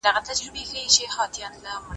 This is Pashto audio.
فرد بايد د دولت اطاعت وکړي.